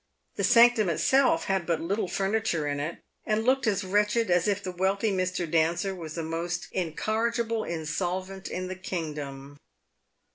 The sanctum itself had but little furniture in it, and looked as wretched as if the wealthy Mr. Dancer was the most incorrigible insolvent in the kingdom.